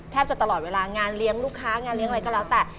จะตลอดเวลางานเลี้ยงลูกค้างานเลี้ยงอะไรก็แล้วแต่